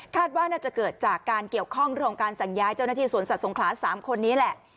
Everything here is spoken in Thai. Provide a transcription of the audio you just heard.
ว่าน่าจะเกิดจากการเกี่ยวข้องเรื่องการสั่งย้ายเจ้าหน้าที่สวนสัตว์สงขลา๓คนนี้แหละ